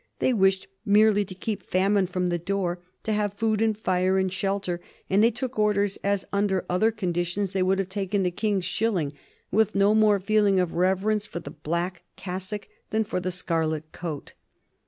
They wished merely to keep famine from the door, to have food and fire and shelter, and they took Orders as under other conditions they would have taken the King's shilling, with no more feeling of reverence for the black cassock than for the scarlet coat.